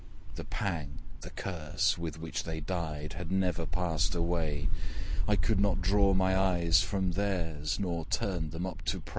The pang, the curse, with which they died, Had never passed away: I could not draw my eyes from theirs, Nor turn them up to pray.